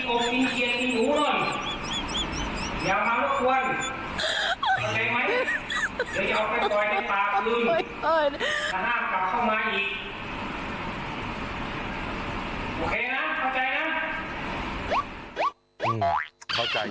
โอเคนะเข้าใจนะ